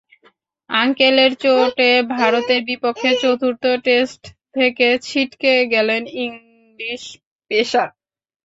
অ্যাঙ্কেলের চোটে ভারতের বিপক্ষে চতুর্থ টেস্ট থেকে ছিটকে গেলেন ইংলিশ পেসার।